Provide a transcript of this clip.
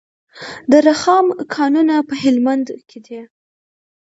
د رخام کانونه په هلمند کې دي